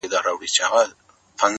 سپين گل د بادام مي د زړه ور مـات كړ،